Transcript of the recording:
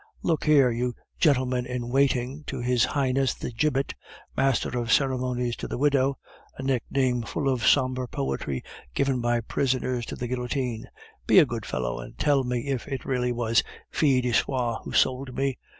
"Look here, you gentlemen in waiting to his highness the gibbet, master of ceremonies to the widow" (a nickname full of sombre poetry, given by prisoners to the guillotine), "be a good fellow, and tell me if it really was Fil de Soie who sold me.